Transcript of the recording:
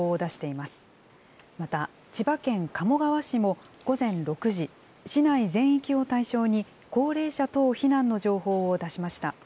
また千葉県鴨川市も午前６時、市内全域を対象に、高齢者等避難の情報を出しました。